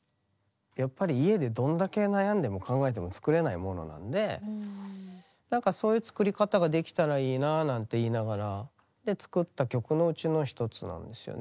やっぱり家でどんだけ悩んでも考えても作れないものなんで何かそういう作り方ができたらいいなあなんて言いながらで作った曲のうちの一つなんですよね